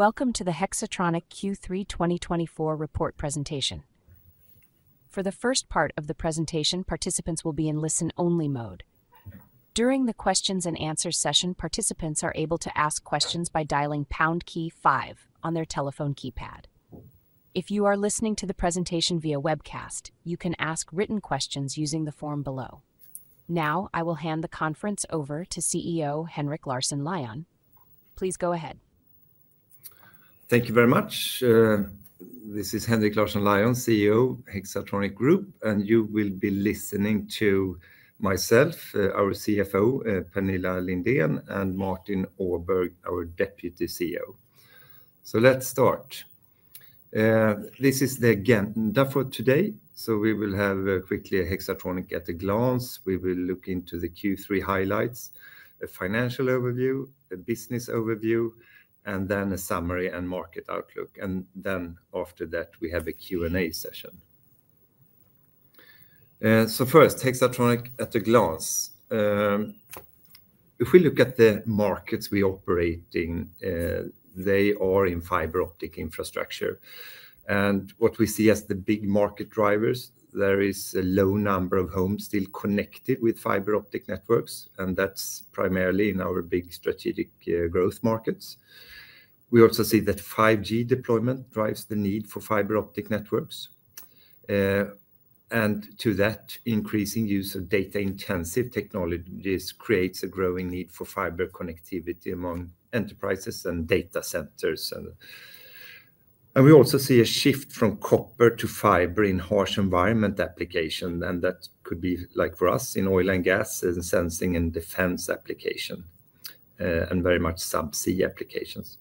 Welcome to the Hexatronic Q3 2024 report presentation. For the first part of the presentation, participants will be in listen-only mode. During the questions and answers session, participants are able to ask questions by dialing pound key five on their telephone keypad. If you are listening to the presentation via webcast, you can ask written questions using the form below. Now, I will hand the conference over to CEO Henrik Larsson Lyon. Please go ahead. Thank you very much. This is Henrik Larsson Lyon, CEO, Hexatronic Group, and you will be listening to myself, our CFO, Pernilla Lindén, and Martin Åberg, our Deputy CEO. So let's start. This is the agenda for today. So we will have, quickly, a Hexatronic at a glance. We will look into the Q3 highlights, a financial overview, a business overview, and then a summary and market outlook. And then after that, we have a Q&A session. So first, Hexatronic at a glance. If we look at the markets we operate in, they are in fiber optic infrastructure. And what we see as the big market drivers, there is a low number of homes still connected with fiber optic networks, and that's primarily in our big strategic, growth markets. We also see that 5G deployment drives the need for fiber optic networks, and to that, increasing use of data-intensive technologies creates a growing need for fiber connectivity among enterprises and data centers, and we also see a shift from copper to fiber in harsh environment application, and that could be like for us in oil and gas, and sensing and defense application, and very much subsea applications,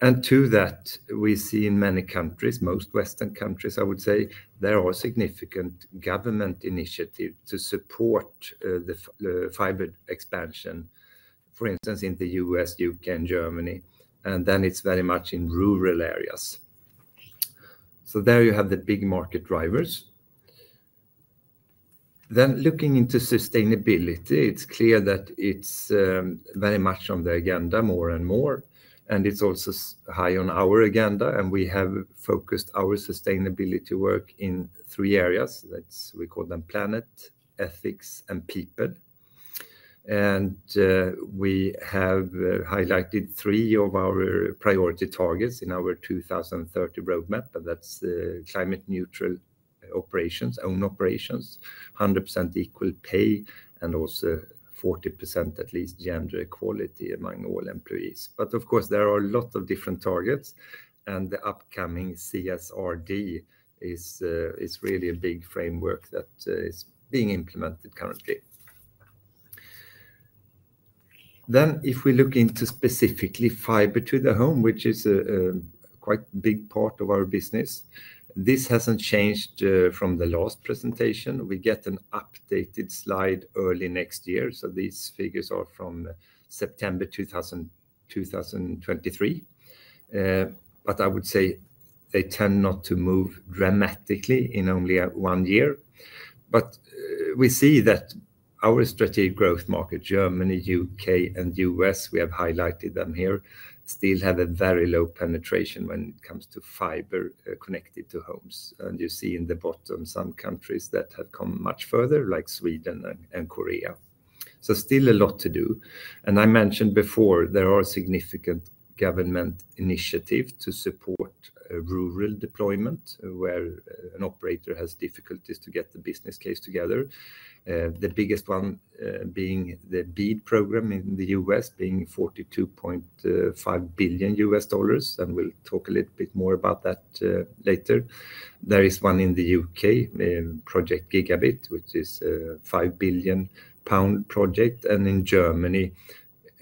and to that, we see in many countries, most Western countries, I would say, there are significant government initiative to support the fiber expansion. For instance, in the U.S., U.K., and Germany, and then it's very much in rural areas, so there you have the big market drivers. Then looking into sustainability, it's clear that it's very much on the agenda, more and more, and it's also high on our agenda, and we have focused our sustainability work in three areas. That's. We call them planet, ethics, and people. And we have highlighted three of our priority targets in our 2030 roadmap, and that's climate neutral operations, own operations, 100% equal pay, and also at least 40% gender equality among all employees. But of course, there are a lot of different targets, and the upcoming CSRD is really a big framework that is being implemented currently. Then, if we look into specifically fiber to the home, which is a quite big part of our business, this hasn't changed from the last presentation. We get an updated slide early next year, so these figures are from September 2023. But I would say they tend not to move dramatically in only one year. We see that our strategic growth market, Germany, U.K., and U.S., we have highlighted them here, still have a very low penetration when it comes to fiber connected to homes. You see in the bottom some countries that have come much further, like Sweden and Korea. Still a lot to do. I mentioned before, there are significant government initiative to support rural deployment, where an operator has difficulties to get the business case together. The biggest one being the BEAD program in the U.S., being $42.5 billion, and we'll talk a little bit more about that later. There is one in the UK, Project Gigabit, which is a 5 billion pound project, and in Germany,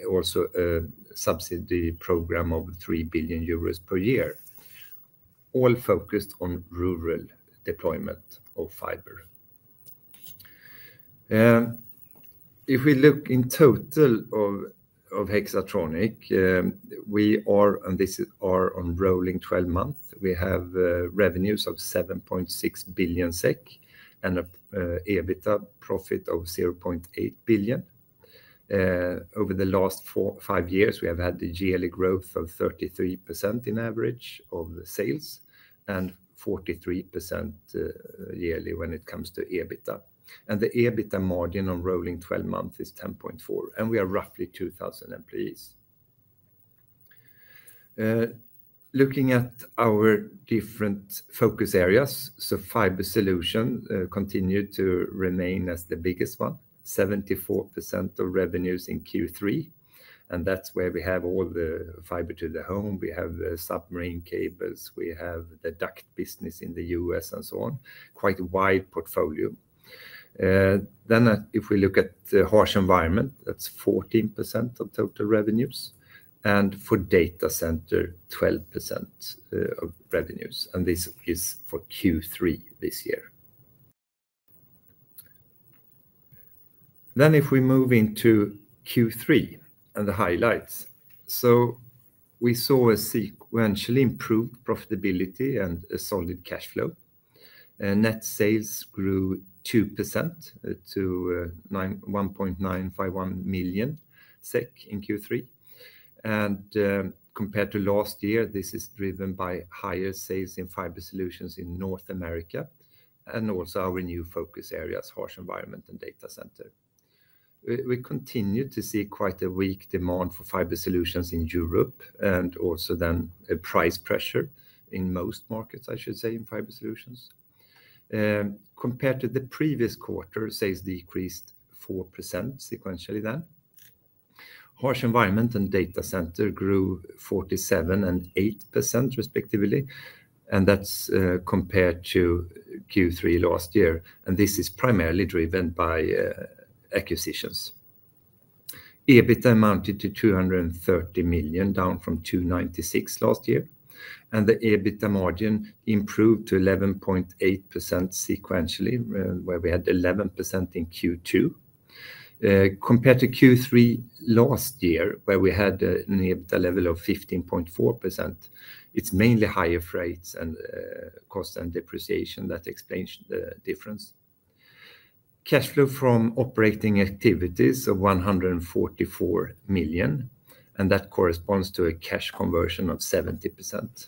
also a subsidy program of 3 billion euros per year, all focused on rural deployment of fiber. If we look in total of Hexatronic, we are, and this is our rolling twelve months, we have revenues of 7.6 billion SEK, and an EBITDA profit of 0.8 billion. Over the last four, five years, we have had the yearly growth of 33% on average of the sales, and 43% yearly when it comes to EBITDA. And the EBITDA margin on rolling twelve months is 10.4%, and we are roughly 2,000 employees. Looking at our different focus areas, so fiber solution continued to remain as the biggest one, 74% of revenues in Q3, and that's where we have all the fiber to the home. We have the submarine cables, we have the duct business in the U.S., and so on. Quite a wide portfolio. If we look at the harsh environment, that's 14% of total revenues, and for data center, 12% of revenues, and this is for Q3 this year. Then if we move into Q3 and the highlights, so we saw a sequentially improved profitability and a solid cash flow and net sales grew 2% to 1,951 million SEK in Q3. Compared to last year, this is driven by higher sales in fiber solutions in North America, and also our new focus areas, harsh environment and data center. We continue to see quite a weak demand for fiber solutions in Europe, and also then a price pressure in most markets, I should say, in fiber solutions. Compared to the previous quarter, sales decreased 4% sequentially then. Harsh environment and data center grew 47% and 8%, respectively, and that's compared to Q3 last year, and this is primarily driven by acquisitions. EBITDA amounted to 230 million, down from 296 million last year, and the EBITDA margin improved to 11.8% sequentially, where we had 11% in Q2. Compared to Q3 last year, where we had an EBITDA level of 15.4%, it's mainly higher freights and cost and depreciation that explains the difference. Cash flow from operating activities of 144 million, and that corresponds to a cash conversion of 70%.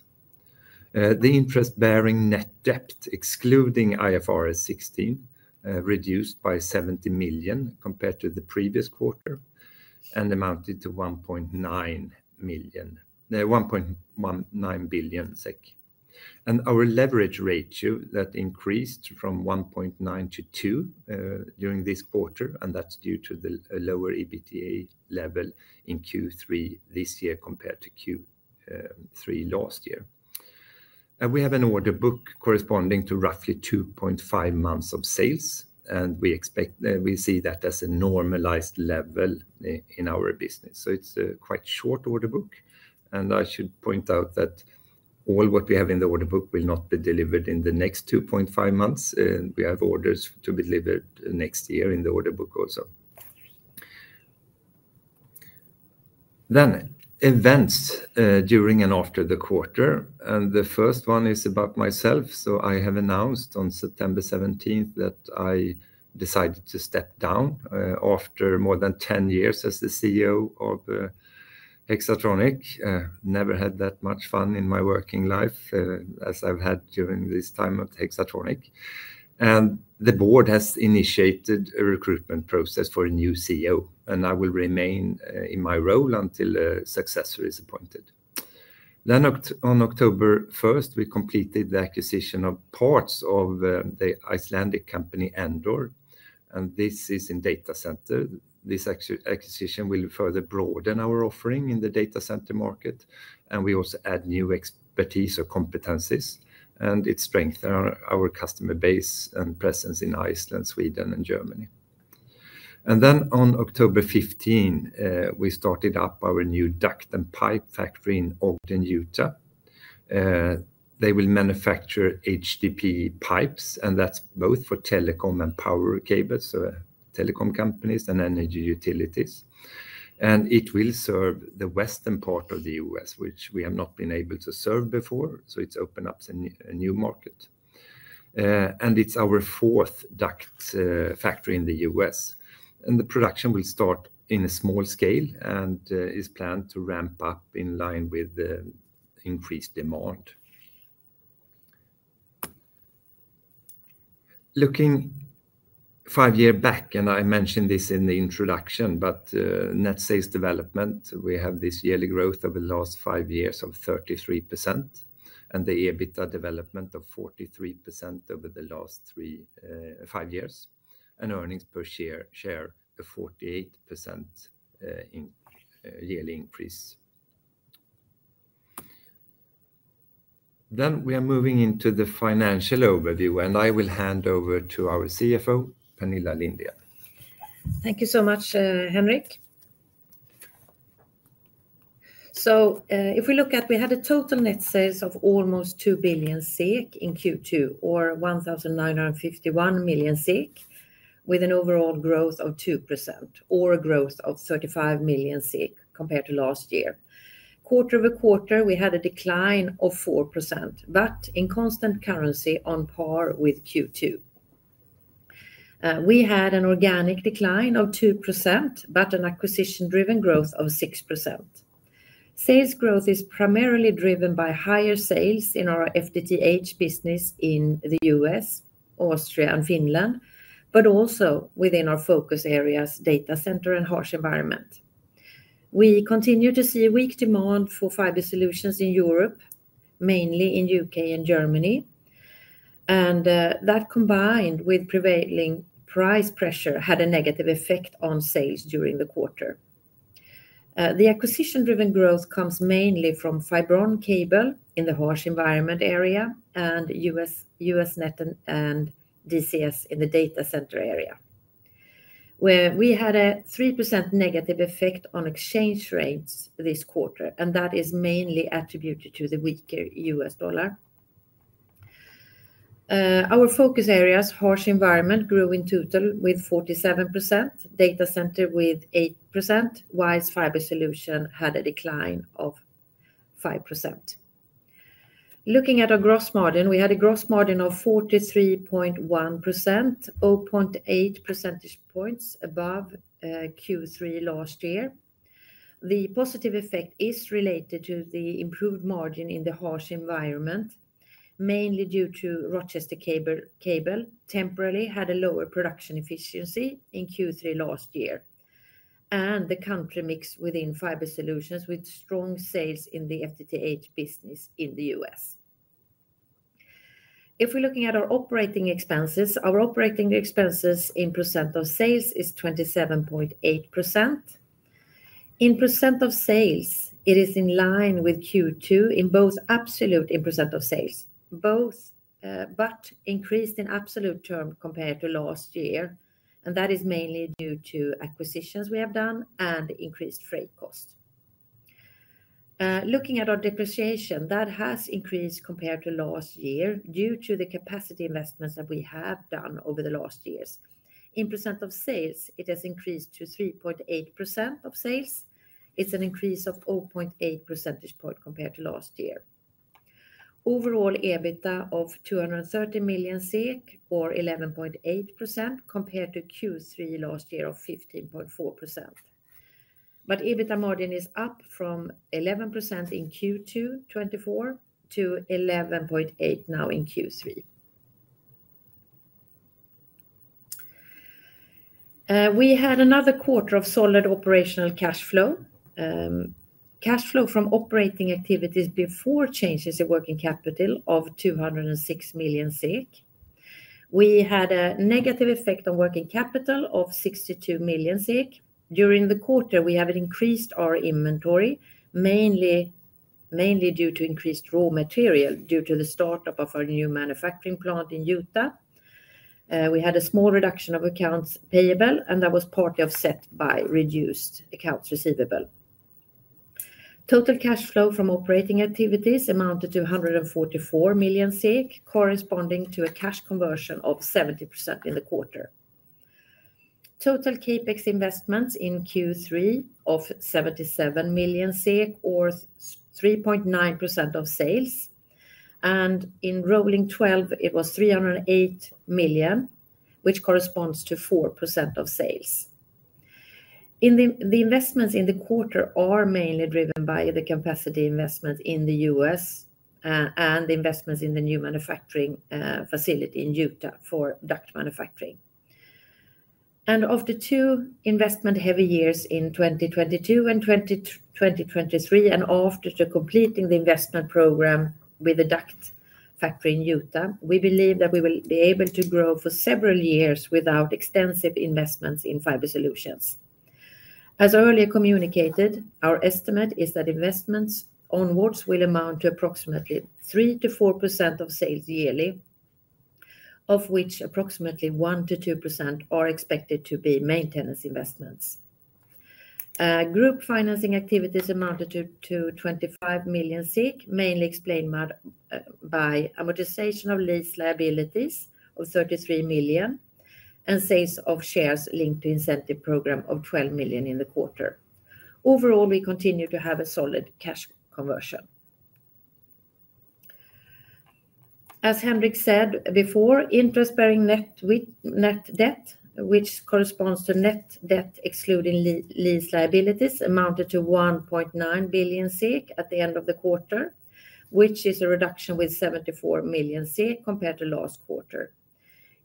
The interest-bearing net debt, excluding IFRS 16, reduced by 70 million compared to the previous quarter, and amounted to 1.19 billion SEK. And our leverage ratio, that increased from 1.9 to 2 during this quarter, and that's due to the lower EBITDA level in Q3 this year, compared to Q3 last year. And we have an order book corresponding to roughly 2.5 months of sales, and we expect, we see that as a normalized level in our business. It's a quite short order book, and I should point out that all what we have in the order book will not be delivered in the next 2.5 months, and we have orders to be delivered next year in the order book also. Events during and after the quarter, and the first one is about myself. I have announced on September 17th that I decided to step down after more than 10 years as the CEO of Hexatronic. Never had that much fun in my working life as I've had during this time at Hexatronic. The board has initiated a recruitment process for a new CEO, and I will remain in my role until a successor is appointed. On October 1st, we completed the acquisition of parts of the Icelandic company Endor, and this is in data center. This acquisition will further broaden our offering in the data center market, and we also add new expertise or competencies, and it strengthen our customer base and presence in Iceland, Sweden, and Germany. On October 15, we started up our new duct and pipe factory in Ogden, Utah. They will manufacture HDPE pipes, and that's both for telecom and power cables, so telecom companies and energy utilities. It will serve the western part of the U.S., which we have not been able to serve before, so it's opened up a new market. And it's our fourth duct factory in the US, and the production will start in a small scale and is planned to ramp up in line with the increased demand. Looking five year back, and I mentioned this in the introduction, but net sales development, we have this yearly growth over the last five years of 33%, and the EBITDA development of 43% over the last five years, and earnings per share a 48% yearly increase. Then we are moving into the financial overview, and I will hand over to our CFO, Pernilla Lindén. Thank you so much, Henrik. So, if we look at, we had a total net sales of almost 2 billion in Q2, or 1,951 million, with an overall growth of 2% or a growth of 35 million compared to last year. Quarter over quarter, we had a decline of 4%, but in constant currency, on par with Q2. We had an organic decline of 2%, but an acquisition-driven growth of 6%. Sales growth is primarily driven by higher sales in our FTTH business in the U.S., Austria, and Finland, but also within our focus areas, data center and harsh environment. We continue to see a weak demand for fiber solutions in Europe, mainly in the U.K. and Germany, and that, combined with prevailing price pressure, had a negative effect on sales during the quarter. The acquisition-driven growth comes mainly from Fibron Cable in the harsh environment area, and US Net and DCS in the data center area. We had a 3% negative effect on exchange rates this quarter, and that is mainly attributed to the weaker US dollar. Our focus areas, harsh environment, grew in total with 47%, data center with 8%, whilst Fiber Solutions had a decline of 5%. Looking at our gross margin, we had a gross margin of 43.1%, 0.8 percentage points above Q3 last year. The positive effect is related to the improved margin in the harsh environment, mainly due to Rochester Cable temporarily had a lower production efficiency in Q3 last year, and the country mix within Fiber Solutions, with strong sales in the FTTH business in the US. If we're looking at our operating expenses, our operating expenses in percent of sales is 27.8%. In percent of sales, it is in line with Q2 in both absolute in percent of sales, both, but increased in absolute term compared to last year, and that is mainly due to acquisitions we have done and increased freight cost. Looking at our depreciation, that has increased compared to last year due to the capacity investments that we have done over the last years. In percent of sales, it has increased to 3.8% of sales. It's an increase of 0.8 percentage point compared to last year. Overall, EBITDA of 230 million SEK, or 11.8% compared to Q3 last year of 15.4%. EBITDA margin is up from 11% in Q2 2024 to 11.8 now in Q3. We had another quarter of solid operational cash flow. Cash flow from operating activities before changes in working capital of 206 million SEK. We had a negative effect on working capital of 62 million SEK. During the quarter, we have increased our inventory, mainly due to increased raw material due to the start-up of our new manufacturing plant in Utah. We had a small reduction of accounts payable, and that was partly offset by reduced accounts receivable. Total cash flow from operating activities amounted to 144 million, corresponding to a cash conversion of 70% in the quarter. Total CapEx investments in Q3 of 77 million SEK, or 3.9% of sales, and in rolling twelve, it was 308 million, which corresponds to 4% of sales. In the investments in the quarter are mainly driven by the capacity investment in the U.S., and the investments in the new manufacturing facility in Utah for duct manufacturing. And of the two investment-heavy years in 2022 and 2023, and after the completing the investment program with the duct factory in Utah, we believe that we will be able to grow for several years without extensive investments in Fiber Solutions. As earlier communicated, our estimate is that investments onwards will amount to approximately 3%-4% of sales yearly, of which approximately 1%-2% are expected to be maintenance investments. Group financing activities amounted to 25 million, mainly explained by amortization of lease liabilities of 33 million, and sales of shares linked to incentive program of 12 million in the quarter. Overall, we continue to have a solid cash conversion. As Henrik said before, interest-bearing net debt, which corresponds to net debt excluding lease liabilities, amounted to 1.9 billion SEK at the end of the quarter, which is a reduction with 74 million SEK compared to last quarter.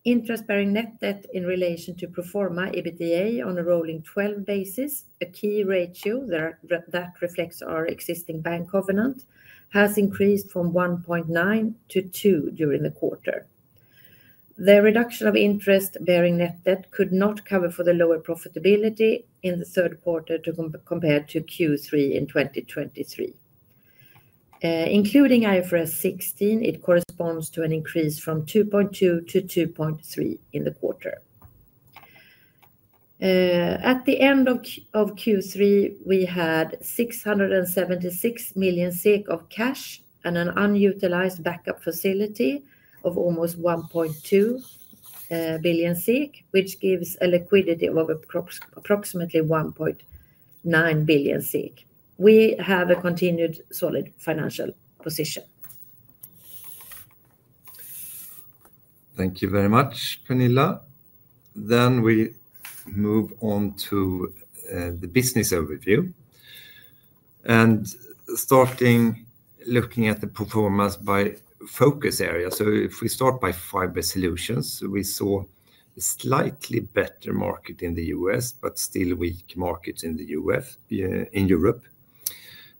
Interest-bearing net debt in relation to pro forma EBITDA on a rolling twelve basis, a key ratio there, that reflects our existing bank covenant, has increased from 1.9 to 2 during the quarter. The reduction of interest-bearing net debt could not cover for the lower profitability in the third quarter compared to Q3 in 2023. Including IFRS 16, it corresponds to an increase from 2.2 to 2.3 in the quarter. At the end of Q3, we had 676 million SEK of cash and an unutilized backup facility of almost 1.2 billion SEK, which gives a liquidity of over approximately 1.9 billion SEK. We have a continued solid financial position. Thank you very much, Pernilla, then we move on to the business overview, and starting looking at the performance by focus area. If we start by Fiber Solutions, we saw a slightly better market in the US, but still weak markets in the US in Europe.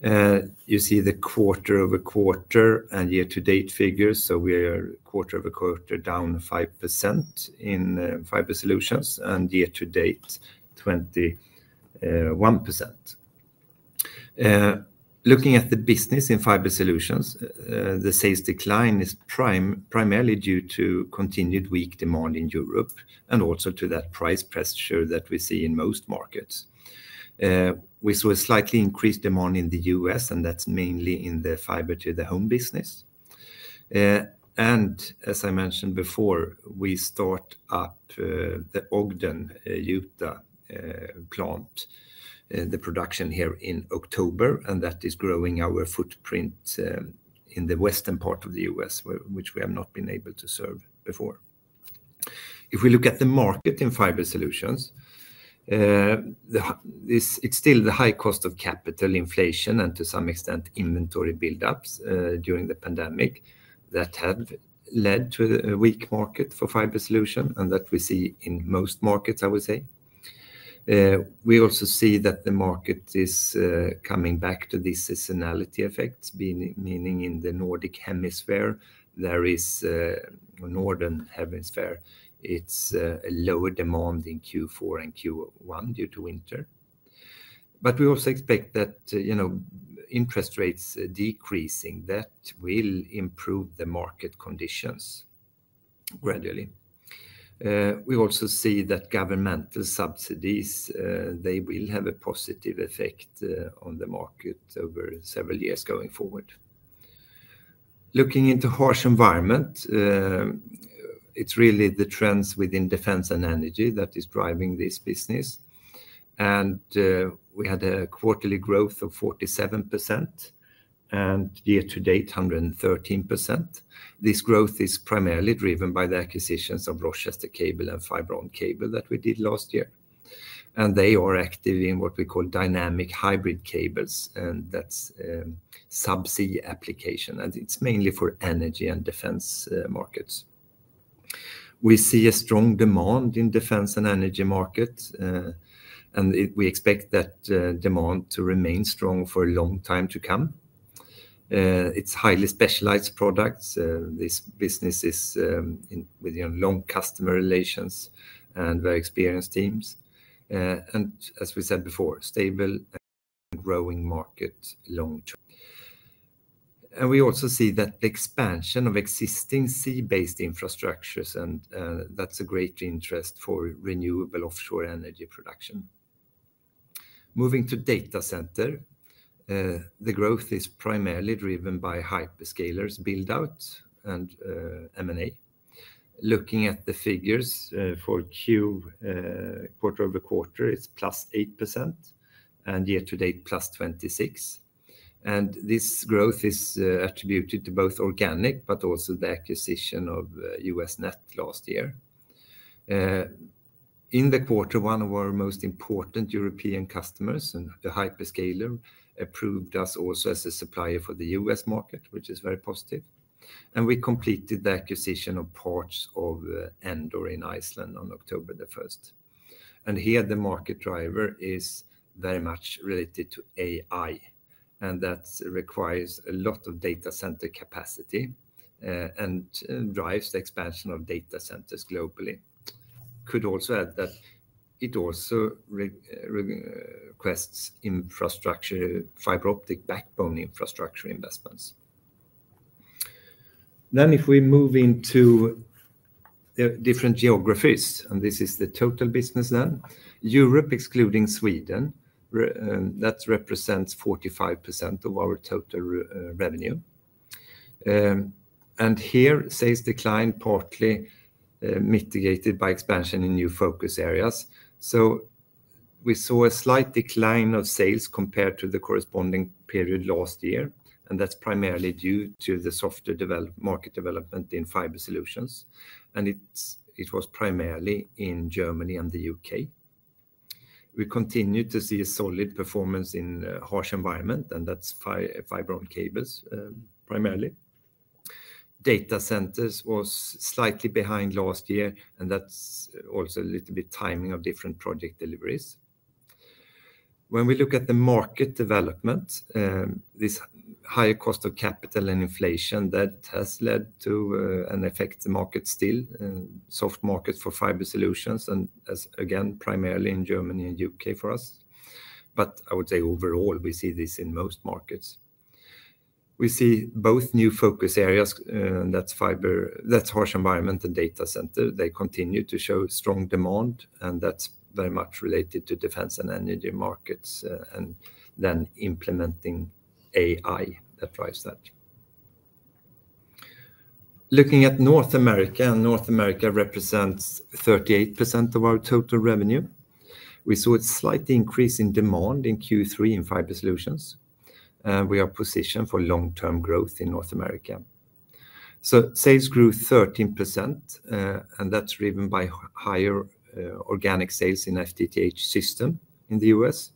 You see the quarter over quarter and year-to-date figures, so we are quarter over quarter down 5% in Fiber Solutions, and year to date 21%. Looking at the business in Fiber Solutions, the sales decline is primarily due to continued weak demand in Europe, and also to that price pressure that we see in most markets. We saw a slightly increased demand in the US, and that's mainly in the fiber to the home business.... And as I mentioned before, we start up the Ogden, Utah plant, the production here in October, and that is growing our footprint in the western part of the U.S., which we have not been able to serve before. If we look at the market in Fiber Solutions, it's still the high cost of capital inflation and to some extent, inventory buildups during the pandemic, that have led to the weak market for Fiber Solutions, and that we see in most markets, I would say. We also see that the market is coming back to the seasonality effects, meaning in the northern hemisphere, there is a lower demand in Q4 and Q1 due to winter. But we also expect that, you know, interest rates decreasing, that will improve the market conditions gradually. We also see that governmental subsidies, they will have a positive effect, on the market over several years going forward. Looking into Harsh Environment, it's really the trends within defense and energy that is driving this business. And, we had a quarterly growth of 47%, and year to date, 113%. This growth is primarily driven by the acquisitions of Rochester Cable and Fibron Cable that we did last year. And they are active in what we call dynamic hybrid cables, and that's, subsea application, and it's mainly for energy and defense, markets. We see a strong demand in defense and energy markets, and we expect that, demand to remain strong for a long time to come. It's highly specialized products. This business is in with, you know, long customer relations and very experienced teams, and as we said before, stable and growing market long term. We also see that the expansion of existing sea-based infrastructures, and that's a great interest for renewable offshore energy production. Moving to data center, the growth is primarily driven by hyperscalers build-outs and M&A. Looking at the figures for Q quarter over quarter, it's plus 8%, and year to date, plus 26%. This growth is attributed to both organic, but also the acquisition of US Net last year. In the quarter, one of our most important European customers, and a hyperscaler, approved us also as a supplier for the U.S. market, which is very positive. We completed the acquisition of parts of Endor in Iceland on October the first. Here, the market driver is very much related to AI, and that requires a lot of data center capacity and drives the expansion of data centers globally. Could also add that it also requests infrastructure, fiber optic backbone infrastructure investments. Then if we move into the different geographies, and this is the total business then. Europe, excluding Sweden, that represents 45% of our total revenue. And here, sales decline, partly mitigated by expansion in new focus areas. So we saw a slight decline of sales compared to the corresponding period last year, and that's primarily due to the softer market development in Fiber Solutions, and it was primarily in Germany and the UK. We continue to see a solid performance in Harsh Environment, and that's Fibron Cable primarily. Data centers was slightly behind last year, and that's also a little bit timing of different project deliveries. When we look at the market development, this higher cost of capital and inflation, that has led to an effect the market still soft market for Fiber Solutions, and again, primarily in Germany and UK for us. But I would say overall, we see this in most markets. We see both new focus areas, that's Harsh Environment and Data Center. They continue to show strong demand, and that's very much related to defense and energy markets, and then implementing AI that drives that. Looking at North America, and North America represents 38% of our total revenue. We saw a slight increase in demand in Q3 in Fiber Solutions, and we are positioned for long-term growth in North America. So sales grew 13%, and that's driven by higher, organic sales in FTTH system in the US,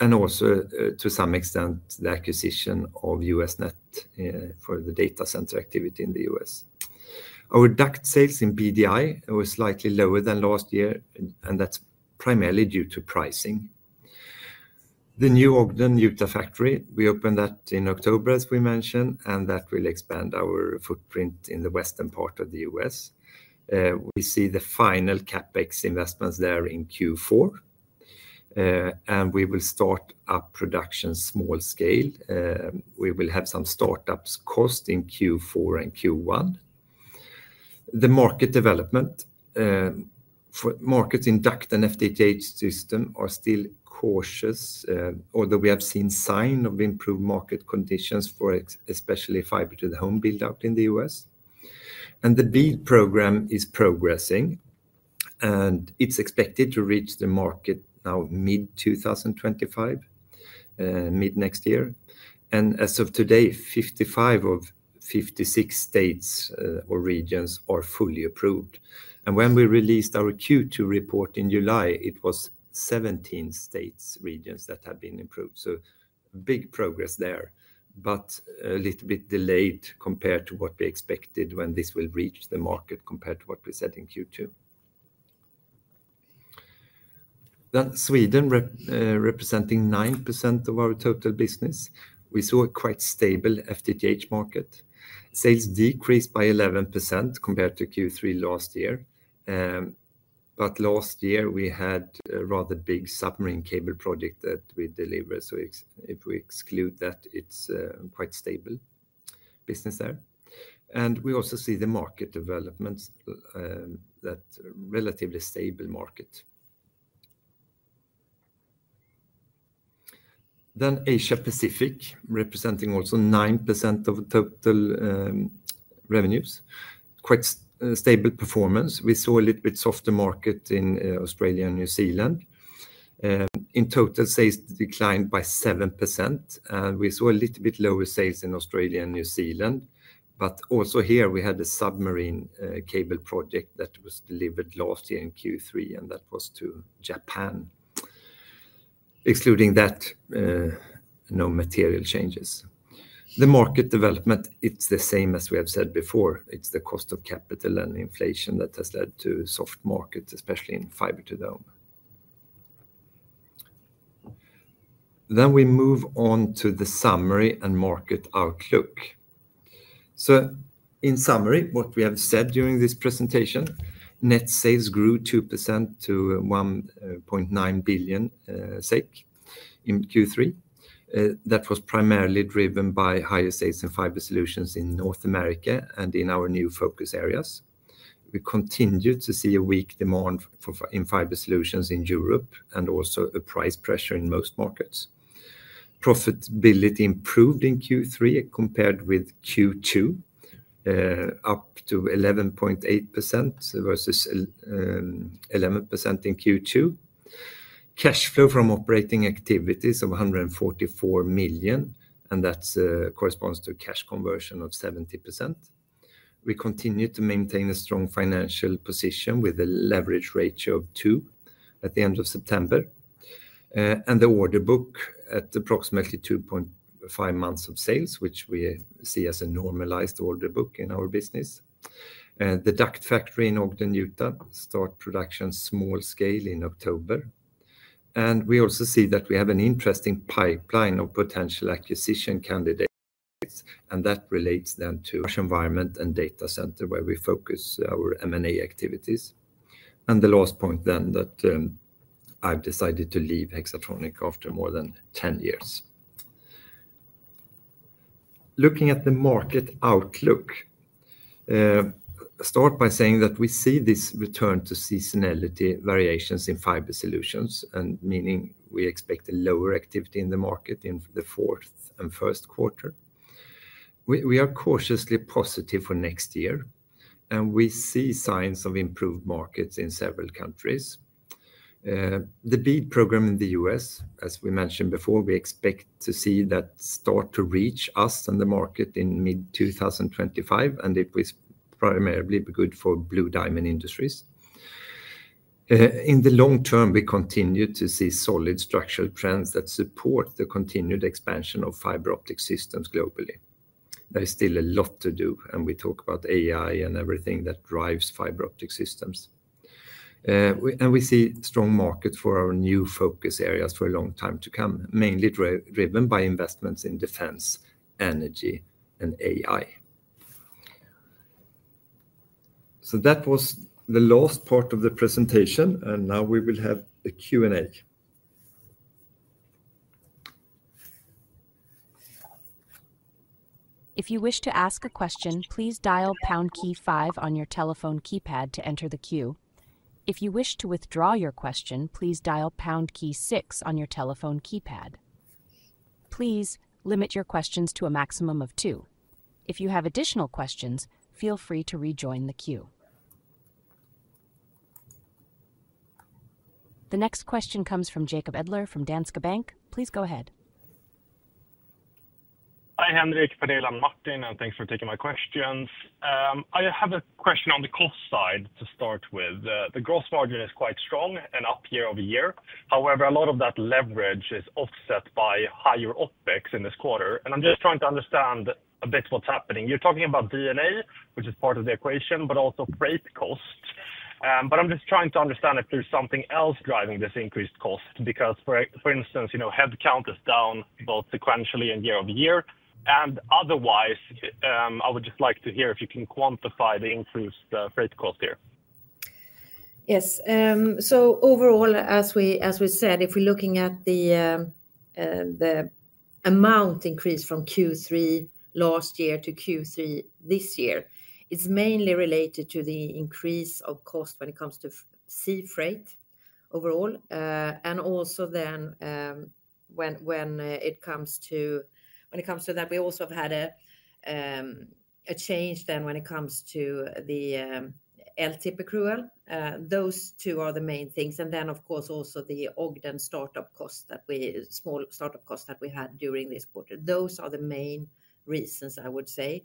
and also, to some extent, the acquisition of US Net, for the data center activity in the US. Our duct sales in BDI were slightly lower than last year, and that's primarily due to pricing. The new Ogden, Utah factory, we opened that in October, as we mentioned, and that will expand our footprint in the western part of the US. We see the final CapEx investments there in Q4, and we will start up production small scale. We will have some startups cost in Q4 and Q1. The market development for markets in duct and FTTH system are still cautious, although we have seen sign of improved market conditions, especially for fiber to the home build-out in the U.S. The BEAD program is progressing, and it's expected to reach the market now mid-2025, mid-next year. As of today, 55 of 56 states or regions are fully approved. When we released our Q2 report in July, it was 17 states, regions that had been approved. So big progress there, but a little bit delayed compared to what we expected when this will reach the market, compared to what we said in Q2. Sweden representing 9% of our total business. We saw a quite stable FTTH market. Sales decreased by 11% compared to Q3 last year. But last year we had a rather big submarine cable project that we delivered, so if we exclude that, it's quite stable business there. We also see the market developments that relatively stable market. Then Asia Pacific, representing also 9% of total revenues. Quite stable performance. We saw a little bit softer market in Australia and New Zealand. In total sales declined by 7%, and we saw a little bit lower sales in Australia and New Zealand. But also here we had a submarine cable project that was delivered last year in Q3, and that was to Japan. Excluding that, no material changes. The market development, it's the same as we have said before. It's the cost of capital and inflation that has led to soft markets, especially in fiber to the home. Then we move on to the summary and market outlook. So in summary, what we have said during this presentation, net sales grew 2% to 1.9 billion SEK in Q3. That was primarily driven by higher sales in fiber solutions in North America and in our new focus areas. We continued to see a weak demand in fiber solutions in Europe and also a price pressure in most markets. Profitability improved in Q3 compared with Q2, up to 11.8% versus 11% in Q2. Cash flow from operating activities of 144 million SEK, and that corresponds to cash conversion of 70%. We continue to maintain a strong financial position with a leverage ratio of 2 at the end of September. The order book at approximately 2.5 months of sales, which we see as a normalized order book in our business. The duct factory in Ogden, Utah, start production small scale in October. We also see that we have an interesting pipeline of potential acquisition candidates, and that relates then to environment and data center, where we focus our M&A activities. The last point then that I've decided to leave Hexatronic after more than 10 years. Looking at the market outlook, start by saying that we see this return to seasonality variations in fiber solutions, and meaning we expect a lower activity in the market in the fourth and first quarter. We are cautiously positive for next year, and we see signs of improved markets in several countries. The BEAD program in the U.S., as we mentioned before, we expect to see that start to reach us in the market in mid-2025, and it will primarily be good for Blue Diamond Industries. In the long term, we continue to see solid structural trends that support the continued expansion of fiber optic systems globally. There is still a lot to do, and we talk about AI and everything that drives fiber optic systems. We, and we see strong market for our new focus areas for a long time to come, mainly driven by investments in defense, energy, and AI. So that was the last part of the presentation, and now we will have a Q&A. If you wish to ask a question, please dial pound key five on your telephone keypad to enter the queue. If you wish to withdraw your question, please dial pound key six on your telephone keypad. Please limit your questions to a maximum of two. If you have additional questions, feel free to rejoin the queue. The next question comes from Jakob Edler from Danske Bank. Please go ahead. Hi, Henrik, Pernilla, and Martin, and thanks for taking my questions. I have a question on the cost side to start with. The gross margin is quite strong and up year-over-year. However, a lot of that leverage is offset by higher OpEx in this quarter, and I'm just trying to understand a bit what's happening. You're talking about D&A, which is part of the equation, but also freight costs. But I'm just trying to understand if there's something else driving this increased cost, because for instance, you know, head count is down, both sequentially and year-over-year, and otherwise I would just like to hear if you can quantify the increased freight cost here. Yes, so overall, as we said, if we're looking at the amount increase from Q3 last year to Q3 this year, it's mainly related to the increase of cost when it comes to sea freight overall. Also then, when it comes to that, we also have had a change then when it comes to the LTIP. Those two are the main things, and then, of course, also the Ogden startup costs, small startup costs that we had during this quarter. Those are the main reasons, I would say.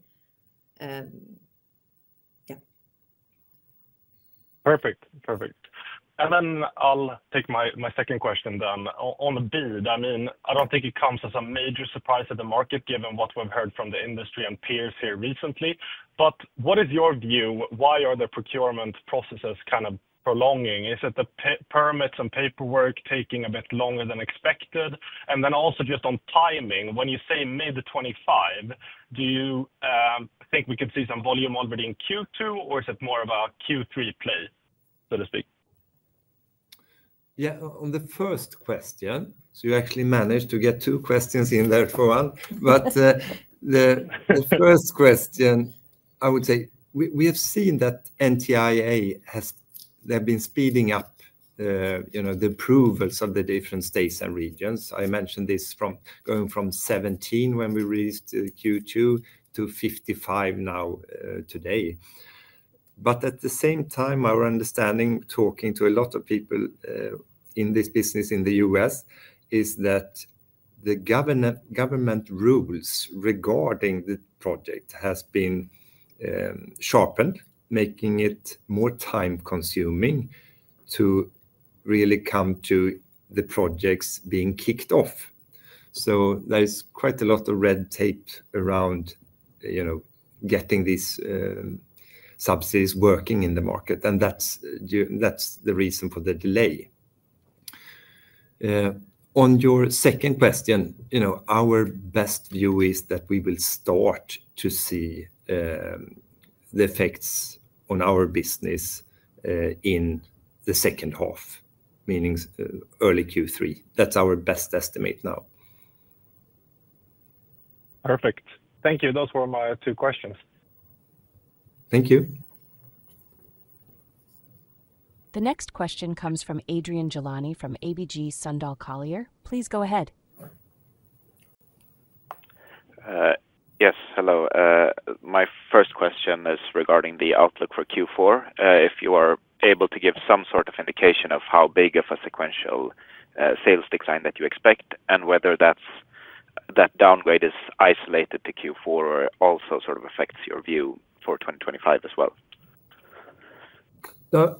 Yeah. Perfect. Perfect. Then I'll take my second question then. On BEAD, I mean, I don't think it comes as a major surprise to the market, given what we've heard from the industry and peers here recently, but what is your view? Why are the procurement processes kind of prolonging? Is it the permits and paperwork taking a bit longer than expected? And then also just on timing, when you say mid-2025, do you think we could see some volume already in Q2, or is it more of a Q3 play, so to speak? Yeah, on the first question, so you actually managed to get two questions in there for one. But the first question, I would say, we have seen that NTIA has. They've been speeding up, you know, the approvals of the different states and regions. I mentioned this from going from 17 when we released Q2, to 55 now, today. But at the same time, our understanding, talking to a lot of people in this business in the U.S., is that the government rules regarding the project has been sharpened, making it more time-consuming to really come to the projects being kicked off. So there's quite a lot of red tape around, you know, getting these subsidies working in the market, and that's the reason for the delay. On your second question, you know, our best view is that we will start to see the effects on our business in the second half, meaning early Q3. That's our best estimate now. Perfect. Thank you. Those were my two questions. Thank you. The next question comes from Adrian Gilani from ABG Sundal Collier. Please go ahead. Yes, hello. My first question is regarding the outlook for Q4. If you are able to give some sort of indication of how big of a sequential sales decline that you expect, and whether that's, that downgrade is isolated to Q4 or also sort of affects your view for 2025 as well.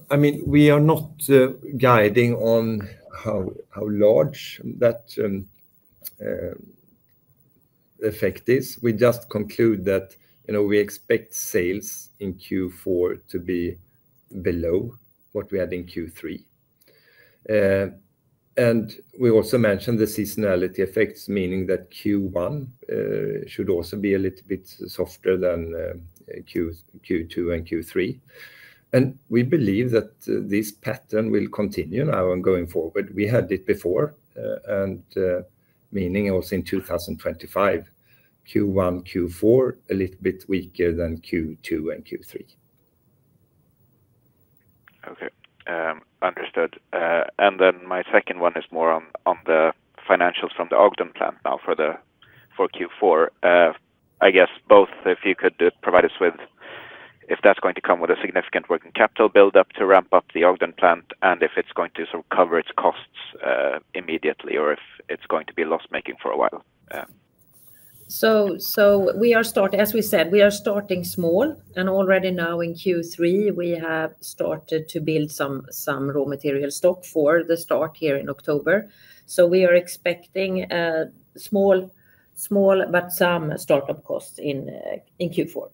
I mean, we are not guiding on how large that effect is. We just conclude that, you know, we expect sales in Q4 to be below what we had in Q3, and we also mentioned the seasonality effects, meaning that Q1 should also be a little bit softer than Q2 and Q3, and we believe that this pattern will continue now ongoing forward. We had it before, and meaning also in 2025, Q1, Q4, a little bit weaker than Q2 and Q3. Okay. Understood. And then my second one is more on the financials from the Ogden plant now for Q4. I guess both, if you could provide us with if that's going to come with a significant working capital buildup to ramp up the Ogden plant, and if it's going to sort of cover its costs immediately, or if it's going to be loss-making for a while? As we said, we are starting small, and already now in Q3, we have started to build some raw material stock for the start here in October. We are expecting small but some startup costs in Q4.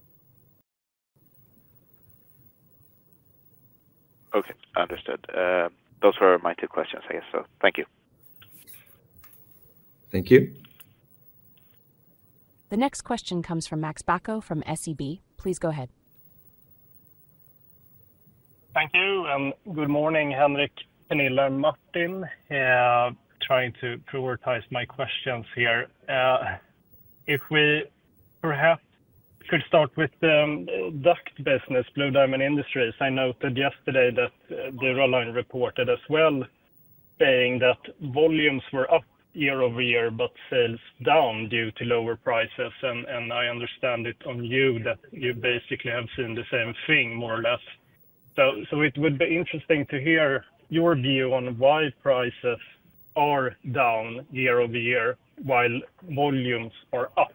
Okay, understood. Those were my two questions, I guess so. Thank you. Thank you. The next question comes from Max Bäck from SEB. Please go ahead. Thank you, and good morning, Henrik, Pernilla, and Martin. Trying to prioritize my questions here. If we perhaps could start with the duct business, Blue Diamond Industries. I noted yesterday that Dura-Line reported as well, saying that volumes were up year-over-year, but sales down due to lower prices, and I understand from you, that you basically have seen the same thing, more or less, so it would be interesting to hear your view on why prices are down year-over-year, while volumes are up.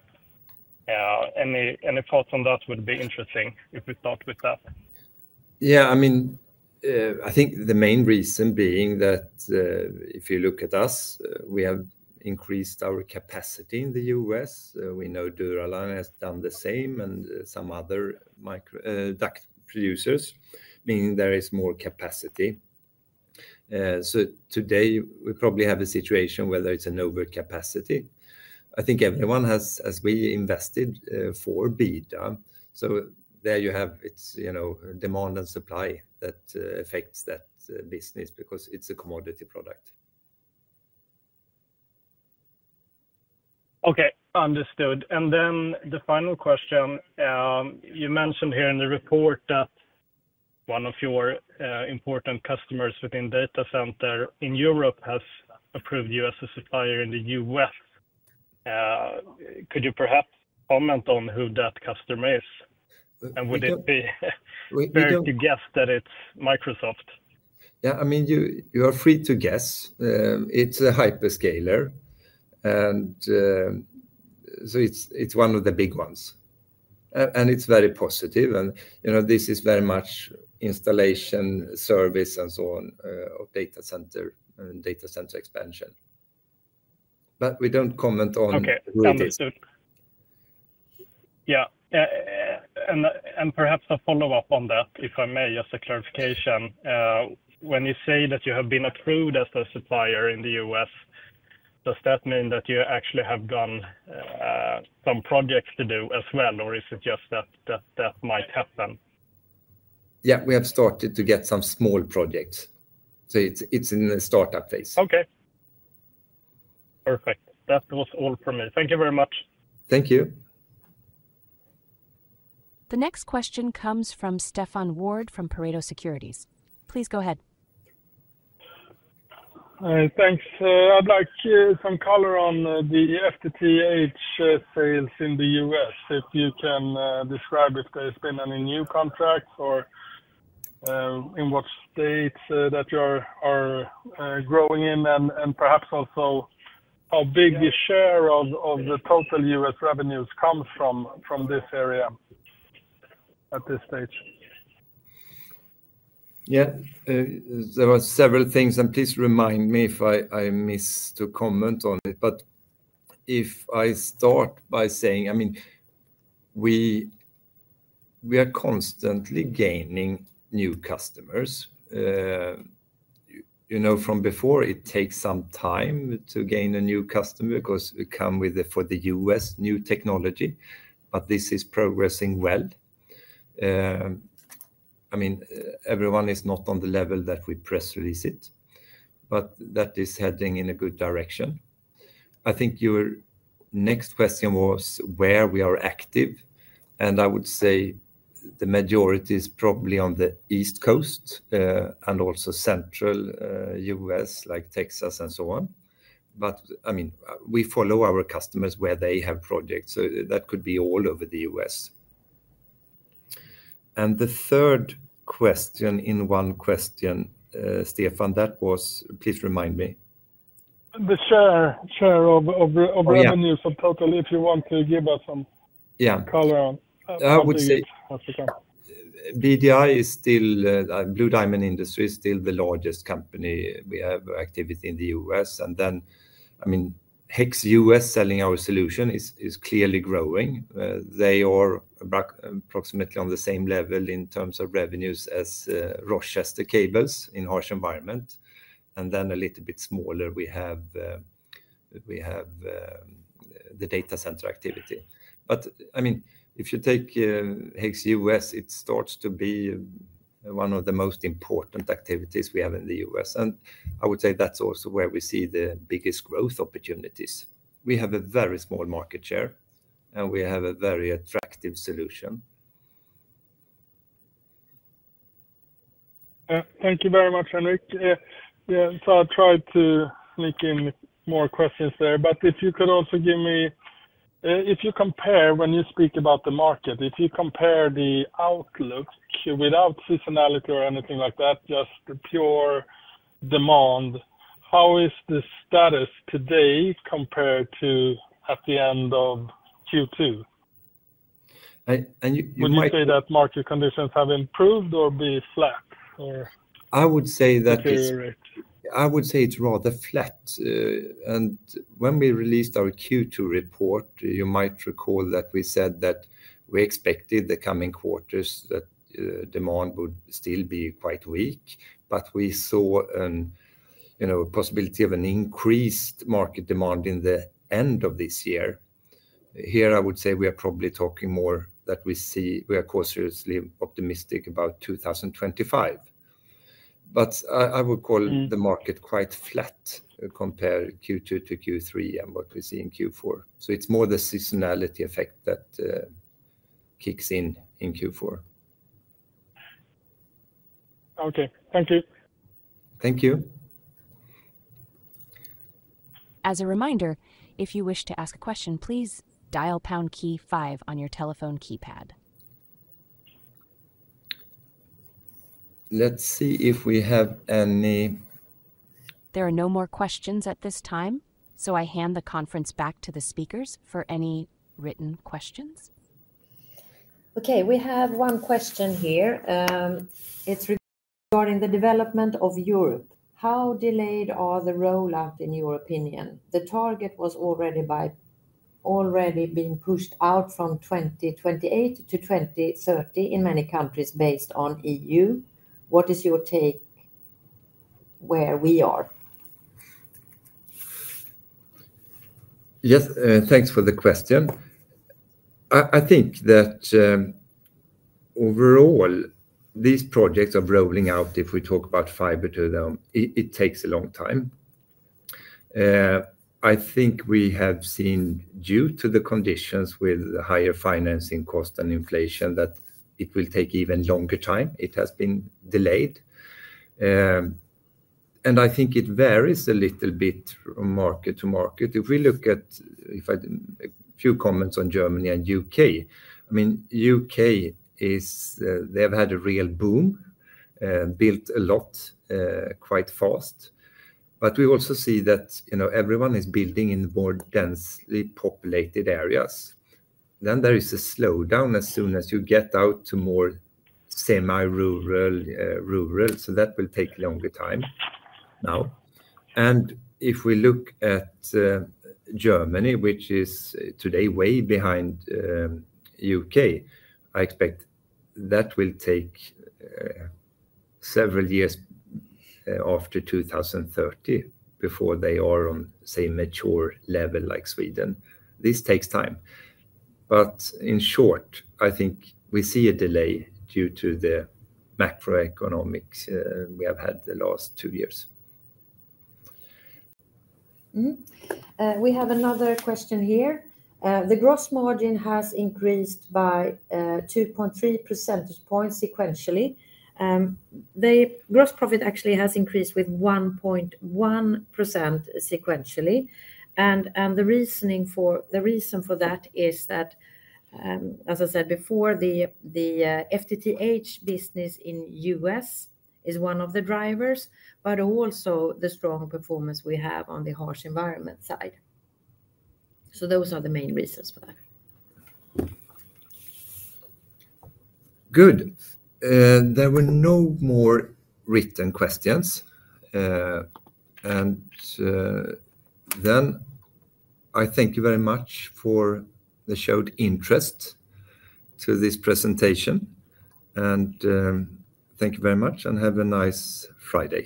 Any thoughts on that would be interesting, if we start with that. Yeah, I mean, I think the main reason being that, if you look at us, we have increased our capacity in the US. We know Dura-Line has done the same, and, some other micro duct producers, meaning there is more capacity... So today we probably have a situation whether it's an overcapacity. I think everyone has, as we invested, for BEAD. So there you have, it's, you know, demand and supply that, affects that, business because it's a commodity product. Okay, understood, and then the final question. You mentioned here in the report that one of your important customers within data center in Europe has approved you as a supplier in the U.S. Could you perhaps comment on who that customer is? We don't- Would it be fair to guess that it's Microsoft? Yeah, I mean, you are free to guess. It's a hyperscaler, and so it's one of the big ones. And it's very positive, and you know, this is very much installation, service, and so on of data center and data center expansion. But we don't comment on- Okay who it is. Understood. Yeah, and perhaps a follow-up on that, if I may, just a clarification. When you say that you have been approved as a supplier in the US, does that mean that you actually have gotten some projects to do as well, or is it just that that might happen? Yeah, we have started to get some small projects. So it's, it's in the startup phase. Okay. Perfect. That was all from me. Thank you very much. Thank you. The next question comes from Stefan Wård from Pareto Securities. Please go ahead. Thanks. I'd like some color on the FTTH sales in the US. If you can describe if there's been any new contracts or in what states that you are growing in, and perhaps also how big a share of the total US revenues come from this area at this stage? Yeah. There are several things, and please remind me if I missed to comment on it. But if I start by saying, I mean, we are constantly gaining new customers. You know, from before, it takes some time to gain a new customer because we come with a, for the US, new technology, but this is progressing well. I mean, everyone is not on the level that we press release it, but that is heading in a good direction. I think your next question was where we are active, and I would say the majority is probably on the East Coast, and also central US, like Texas and so on. But, I mean, we follow our customers where they have projects, so that could be all over the US. And the third question in one question, Stefan, that was? Please remind me. The share of Oh, yeah... of revenues of total, if you want to give us some- Yeah -color on- I would say- Of the current. BDI is still, Blue Diamond Industries is still the largest company. We have activity in the US, and then, I mean, Hexatronic US selling our solution is clearly growing. They are approximately on the same level in terms of revenues as Rochester Cable in harsh environment. And then a little bit smaller, we have the data center activity. But, I mean, if you take Hexatronic US, it starts to be one of the most important activities we have in the US, and I would say that's also where we see the biggest growth opportunities. We have a very small market share, and we have a very attractive solution. Thank you very much, Henrik. Yeah, so I tried to sneak in more questions there, but if you could also give me... If you compare, when you speak about the market, if you compare the outlook without seasonality or anything like that, just the pure demand, how is the status today compared to at the end of Q2? And you might... Would you say that market conditions have improved or been flat, or? I would say that it's. Deteriorated. I would say it's rather flat. And when we released our Q2 report, you might recall that we said that we expected the coming quarters, that demand would still be quite weak, but we saw an, you know, a possibility of an increased market demand in the end of this year. Here, I would say we are probably talking more that we see we are cautiously optimistic about two thousand and twenty-five. But I, I would call-... the market quite flat compared Q2 to Q3 and what we see in Q4. So it's more the seasonality effect that kicks in in Q4. Okay. Thank you. Thank you. As a reminder, if you wish to ask a question, please dial pound key five on your telephone keypad. Let's see if we have any. There are no more questions at this time, so I hand the conference back to the speakers for any written questions. Okay, we have one question here. It's regarding the development of Europe. How delayed are the rollout, in your opinion? The target was already by two-... already been pushed out from 2028 to 2030 in many countries based on EU. What is your take where we are? Yes, thanks for the question. I think that overall, these projects are rolling out. If we talk about fiber to the home, it takes a long time. I think we have seen, due to the conditions with higher financing cost and inflation, that it will take even longer time. It has been delayed, and I think it varies a little bit from market to market. If we look at a few comments on Germany and UK, I mean, UK is. They have had a real boom, built a lot, quite fast, but we also see that, you know, everyone is building in more densely populated areas. Then there is a slowdown as soon as you get out to more semi-rural, rural, so that will take longer time now. And if we look at Germany, which is today way behind UK, I expect that will take several years after two thousand thirty, before they are on, say, mature level like Sweden. This takes time. But in short, I think we see a delay due to the macroeconomics we have had the last two years. We have another question here. The gross margin has increased by 2.3 percentage points sequentially. The gross profit actually has increased with 1.1% sequentially, and the reason for that is that, as I said before, the FTTH business in the U.S. is one of the drivers, but also the strong performance we have on the harsh environment side. So those are the main reasons for that. Good. There were no more written questions. And then I thank you very much for the showed interest to this presentation, and thank you very much, and have a nice Friday.